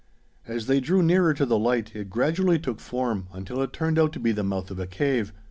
As they drew nearer to the light, it gradually took form, until it turned out to be the mouth of a cave.